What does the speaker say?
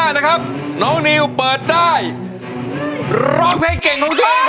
ร้องใดเค้ก